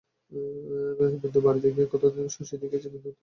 বিন্দুর বাড়িতে গিয়া কতদিন শশী দেখিয়াছে, বিন্দুর ভাব অমায়িক, বিন্দু সাদাসিধে।